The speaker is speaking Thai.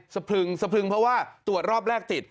สะพรึงสะพรึงเพราะว่าตรวจรอบแรกติด